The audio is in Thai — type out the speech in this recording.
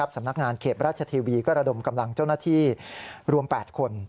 สำนักงานเขตราชเทวีก็ระดมกำลังเจ้าหน้าที่รวม๘คน